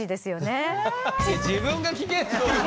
自分が聞けって。